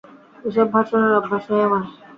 এসব ভাষণের অভ্যাস নেই আমার।